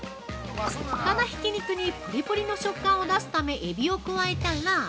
◆このひき肉にぷりぷりの食感を出すためエビを加えたら。